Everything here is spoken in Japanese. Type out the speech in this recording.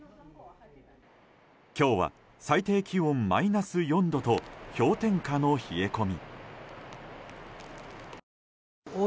今日は最低気温マイナス４度と氷点下の冷え込み。